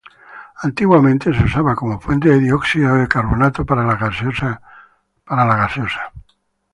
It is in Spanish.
Antiguamente se usaba como fuente de dióxido de carbono para la gaseosa Coca Cola.